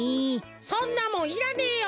そんなもんいらねえよ。